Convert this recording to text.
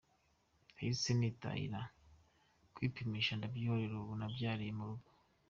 Nahise nitahira kwipimisha ndabyihorera, ubu nabyariye mu rugo”.